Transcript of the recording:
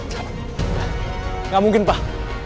tidak mungkin pak